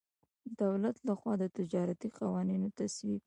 دولت له خوا د تجارتي قوانینو تصویب.